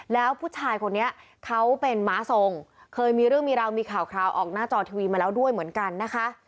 แล้วผู้ชายคนนี้เขาเป็นม้าทรงเคยมีเรื่องมีราวมีข่าวคราวออกหน้าจอทีวีมาแล้วด้วยเหมือนกันนะคะ